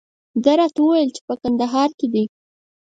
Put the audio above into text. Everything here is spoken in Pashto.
ده راته وویل چې په کندهار کې دی.